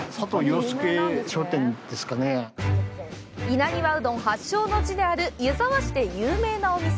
稲庭うどん発祥の地である湯沢市で有名なお店。